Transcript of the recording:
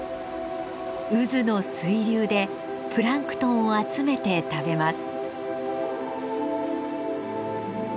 渦の水流でプランクトンを集めて食べます。